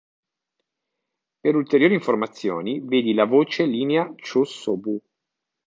Per ulteriori informazioni, vedi la voce Linea Chūō-Sōbu.